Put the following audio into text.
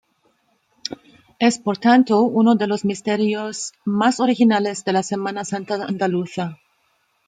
Es por tanto uno de los misterios más originales de la Semana Santa andaluza.